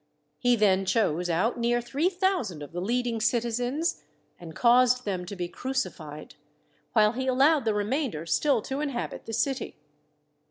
He then chose out near three thousand of the leading citizens and caused them to be crucified, while he allowed the remainder still to inhabit the city.